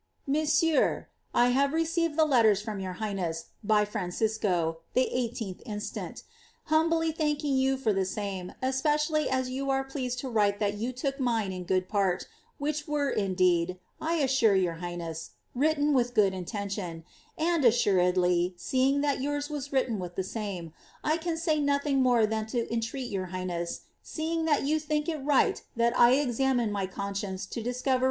<* Mon seigneur, ■ 1 have received the letters from your highness, by Francisco,* the 18th instant. Humbly thanking you for the same, etpecially as you are pleased to write tbat you took mine in good part, which were, indeed, I assure your highness, written with good intention; and, assuredly, seeing that yours was wrineo with lbs aame, I can say nothing more than to intreat your highness (seeing that foa * Lodge's Illustrations (Talbot Papers), ¥ol. i. p. 268. 'Burnet's Reformation, vol.